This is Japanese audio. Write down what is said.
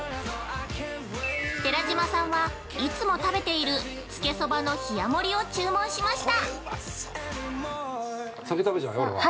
寺島さんは、いつも食べている、つけそばの冷やもりを注文しました。